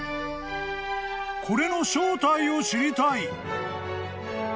［これの正体を知りたい］